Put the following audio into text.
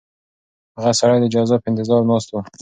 هغه سړی د جزا په انتظار ناست و.